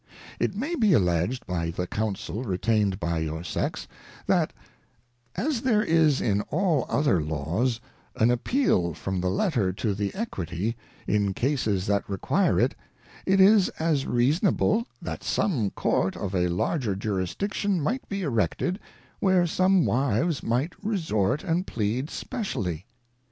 It may be alledged by the Counsel retained by your Sex, that as there is in all other Laws, an Appeal from the Letter to the Equity, in Cases that require it, it is as reasonable, that some Court of a larger Jurisdiction might be erected, where some Wives might resort and plead specially.